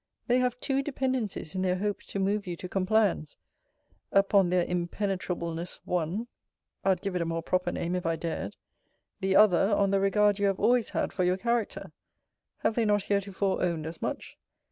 They have two dependencies in their hope to move you to compliance. Upon their impenetrableness one [I'd give it a more proper name, if I dared]; the other, on the regard you have always had for your character, [Have they not heretofore owned as much?